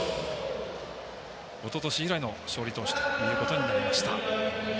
おととし以来の勝利投手となりました。